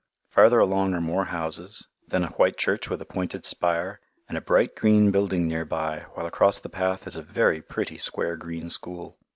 Farther along are more houses; then a white church with a pointed spire, and a bright green building near by, while across the path is a very pretty square green school.